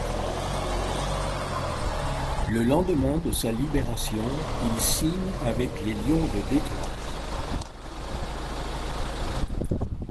Le lendemain de sa libération, il signe avec les Lions de Détroit.